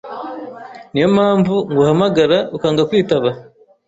niyo mpamvu nguhamagara ukanga kwitaba.